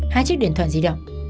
hai chiếc điện thoại di động